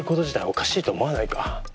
おかしいと思わないか？